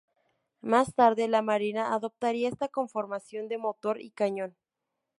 Más tarde la Marina adoptaría esta conformación de motor y cañón.